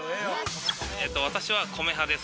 私は米派です。